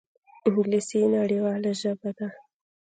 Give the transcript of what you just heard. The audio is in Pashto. انګلیسي نړیواله ژبه ده